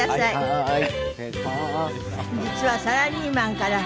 はい。